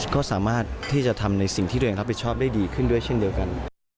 ก็สามารถที่จะทำในสิ่งที่ตัวเองรับผิดชอบได้ดีขึ้นด้วยเช่นเดียวกัน